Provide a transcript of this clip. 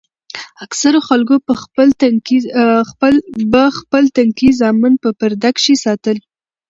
اکثرو خلکو به خپل تنکي زامن په پرده کښې ساتل.